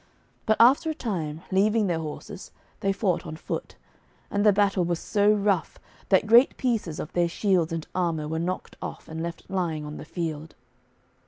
But after a time, leaving their horses, they fought on foot. And the battle was so rough that great pieces of their shields and armour were knocked off, and left lying on the field.